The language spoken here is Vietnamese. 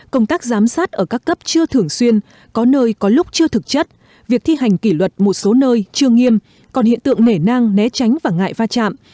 công tác giám sát ở các cấp chưa thường xuyên có nơi có lúc chưa thực chất việc thi hành kỷ luật một số nơi chưa nghiêm còn hiện tượng nể nang né tránh và ngại va chạm